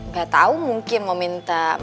gatau mungkin mau minta mas